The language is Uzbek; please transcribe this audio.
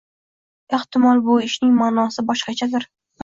Ehtimol, bu ishning ma'nosi boshqachadir